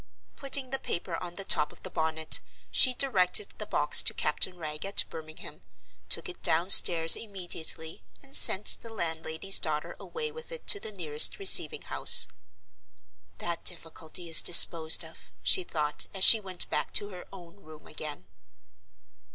Putting the paper on the top of the bonnet, she directed the box to Captain Wragge at Birmingham, took it downstairs immediately, and sent the landlady's daughter away with it to the nearest Receiving house. "That difficulty is disposed of," she thought, as she went back to her own room again.